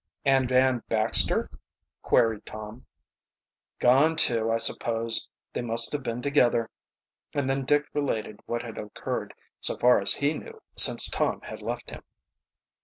"And Dan Baxter?" queried Tom. "Gone, too, I suppose. They must have been together." And then Dick related what had occurred so far as he knew since Tom had left him.